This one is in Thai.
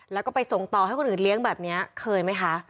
แล้วก็ไปส่งต่อให้คนอื่นเลี้ยงแบบนี้เคยไหมคะ